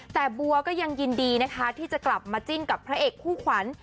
แต่บัวก็ยังยินดีนะคะที่จะกลับมาจิ้นกับพระเอกคู่ขวัญ